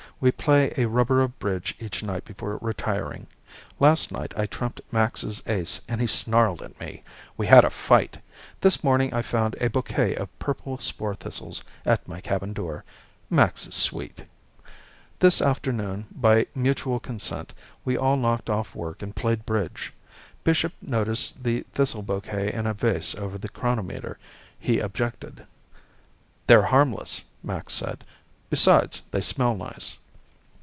We play a rubber of bridge each night before retiring. Last night I trumped Max's ace and he snarled at me. We had a fight. This morning I found a bouquet of purple spore thistles at my cabin door. Max is sweet. This afternoon, by mutual consent, we all knocked off work and played bridge. Bishop noticed the thistle bouquet in a vase over the chronometer. He objected. "They're harmless," Max said. "Besides, they smell nice."